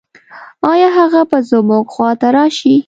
آيا هغه به زموږ خواته راشي؟